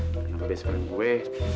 kenapa biasa keren gue